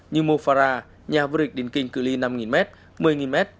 như mo farah nhà vua địch đình kinh cư ly năm m một mươi m